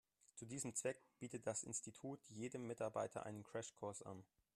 Zu diesem Zweck bietet das Institut jedem Mitarbeiter einen Crashkurs an.